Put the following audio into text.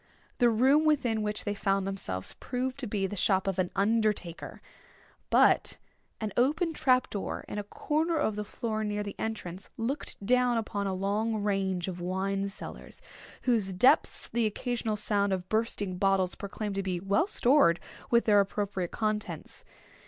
The room within which they found themselves proved to be the shop of an undertaker; but an open trap door, in a corner of the floor near the entrance, looked down upon a long range of wine cellars, whose depths the occasional sound of bursting bottles proclaimed to be well stored with their appropriate contents.